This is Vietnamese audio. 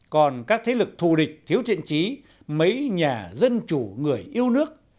còn các thế lực thù địch thiếu thiện trí mấy nhà dân chủ người yêu nước